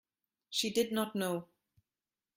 She did not know.